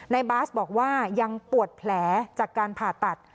บาสบอกว่ายังปวดแผลจากการผ่าตัด